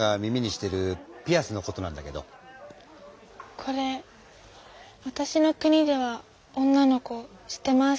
これわたしの国では女の子してます。